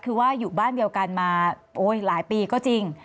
คือว่าอยู่บ้านเดียวกันมาหลายปีก็จริง